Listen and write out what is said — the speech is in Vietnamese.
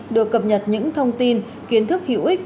được cập nhật những thông tin kiến thức hữu ích